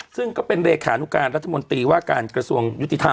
ซึ่งก็เป็นเลขานุการรัฐมนตรีว่าการกระทรวงยุติธรรม